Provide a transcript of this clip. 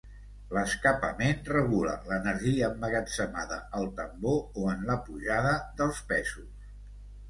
L'escapament regula l'energia emmagatzemada al tambor o en la pujada dels pesos.